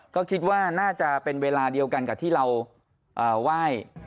ก็คิดว่าน่าจะเป็นเวลาเดียวกันกับที่เราไหว้